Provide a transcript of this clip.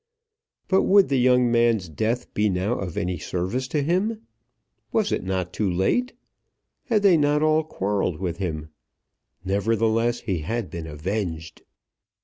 But would the young man's death be now of any service to him? Was it not too late? Had they not all quarrelled with him? Nevertheless he had been avenged.